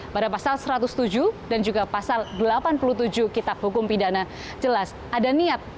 pada pasal satu ratus tujuh dan juga pasal delapan puluh tujuh kitab hukum pidana jelas ada niat